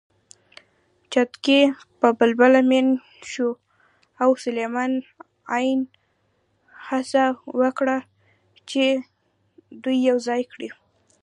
چتکي په بلبله مین شو او سلیمان ع هڅه وکړه چې دوی یوځای کړي